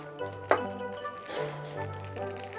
mas aku mau pamer